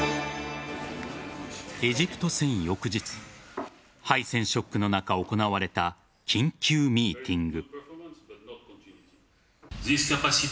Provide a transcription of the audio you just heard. エジプト戦翌日敗戦ショックの中行われた緊急ミーティング。